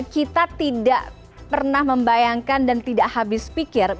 kita tidak pernah membayangkan dan tidak habis pikir